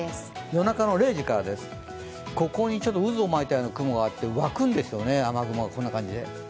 夜中の０時からです、ここに渦を巻いた雲があって湧くんですよね、雨雲がこんな感じで。